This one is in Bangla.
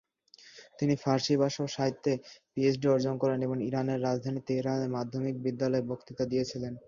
তিনি ফারসি ভাষা ও সাহিত্যে পিএইচডি অর্জন করেন এবং ইরানের রাজধানী তেহরানের মাধ্যমিক বিদ্যালয়ে বক্তৃতা দিয়েছিলেন।